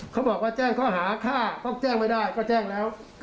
เขาบอกว่าแจ้งข้อหาฆ่าต้องแจ้งไม่ได้ก็แจ้งแล้ว